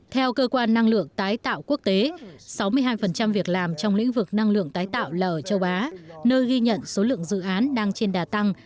theo cơ quan năng lượng tái tạo quốc tế sáu mươi hai việc làm trong lĩnh vực năng lượng tái tạo là ở châu á nơi ghi nhận số lượng dự án đang trên đà tăng